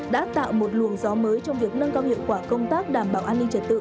đã tạo một luồng gió mới trong việc nâng cao hiệu quả công tác đảm bảo an ninh trật tự